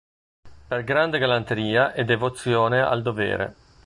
Per grande galanteria e devozione al dovere.